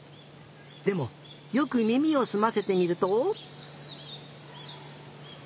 でもよくみみをすませてみると。